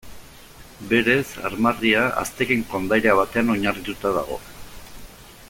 Berez, armarria azteken kondaira batean oinarrituta dago.